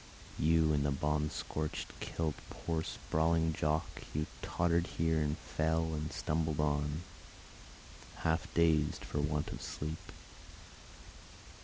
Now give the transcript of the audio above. You in the bomb scorched kilt, poor sprawling Jock, You tottered here and fell, and stumbled on, Half dazed for want of sleep.